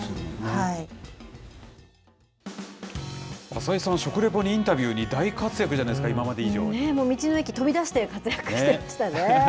浅井さん、食レポにインタビューに、大活躍じゃないですか、道の駅、飛び出して活躍してましたね。